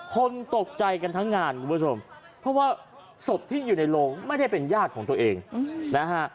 คนตกใจกันทั้งงานคุณผู้ชมเพราะว่าศพที่อยู่ในโรงไม่ได้เป็นญาติของตัวเองนะฮะ